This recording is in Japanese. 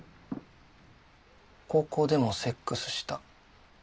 高校でもセックスした。